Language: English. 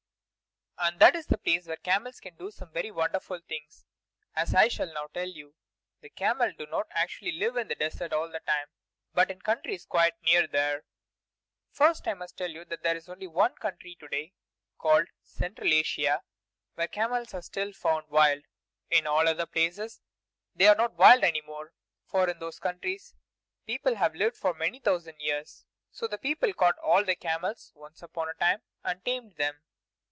And that is the place where camels can do some very wonderful things, as I shall now tell you. The camels do not actually live in the desert all the time, but in countries quite near there. First I must tell you that there is only one country to day, called Central Asia, where camels are still found wild. In all other places they are not wild any more, for in those countries people have lived for many thousand years; so the people caught all the camels once upon a time, and tamed them.